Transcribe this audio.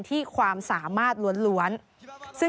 ที่ความสามารถล้วน